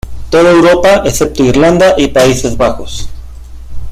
Toda Europa, excepto Irlanda y Países Bajos.